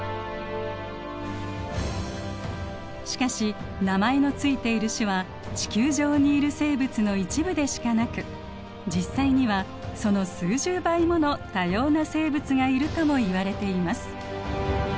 しかし名前の付いている種は地球上にいる生物の一部でしかなく実際にはその数十倍もの多様な生物がいるともいわれています。